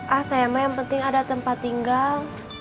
ah sayangnya yang penting ada tempat tinggal